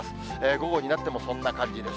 午後になってもそんな感じです。